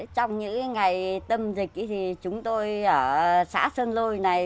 trong những ngày tâm dịch thì chúng tôi ở xã sơn lôi này